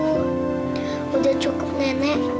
udah cukup nenek